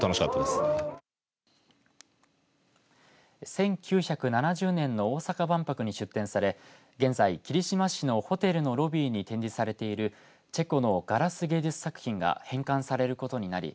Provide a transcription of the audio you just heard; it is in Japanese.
１９７０年の大阪万博に出展され現在、霧島市のホテルのロビーに展示されているチェコのガラス芸術作品が返還されることになり